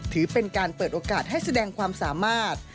ถือเป็นการเปิดโอกาสให้แสดงความสามารถ